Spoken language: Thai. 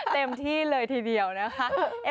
เต็มที่เลยทีเดียวนะคะ